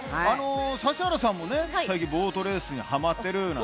指原さんも最近、ボートレースにハマってるなんて？